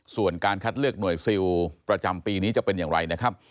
ส่วนการคัดเลือกหน่วยซิลประจำปีนี้จะเป็นอย่างไรนะครับ